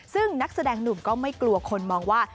ซึ่งนักแสดงหนุ่มก็ไม่กลัวคนมองว่า